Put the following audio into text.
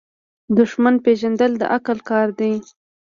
دښمن پیژندل د عقل کار دی.